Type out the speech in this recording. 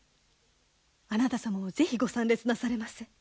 あなた様も是非ご参列なされませ。